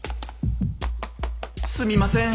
すみません。